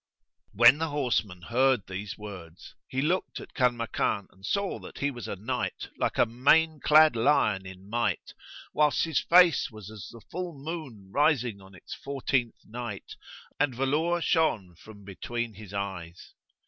When the horseman heard these words, he looked at Kanmakan and saw that he was a knight like a mane clad lion in might, whilst his face was as the full moon rising on its fourteenth night, and velour shone from between his eyes.